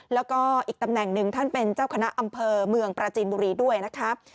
แล้วก็อีกตำแหน่งหนึ่งท่านเป็นเจ้าคณะอำเภอเมืองปราจีนบุรีด้วยนะคะ